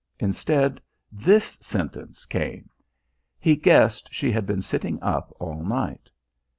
Instead, this sentence came. He guessed she had been sitting up all night.